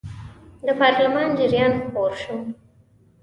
د پارلمان جریان خپور شو.